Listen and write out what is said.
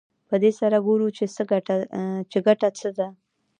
په دې سره ګورو چې ګټه څه ده